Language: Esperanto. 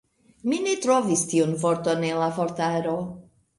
Mi ne trovis tiun vorton en la vortaro.